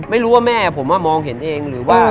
ไม่รู้ว่าแม่ผมว่ามองเห็นเอง